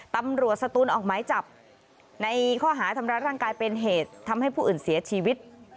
ตำรวจสตูนออกไม้จับในข้อหาธรรมรัฐร่างกายเป็นเหตุทำให้ผู้อื่นเสียชีวิต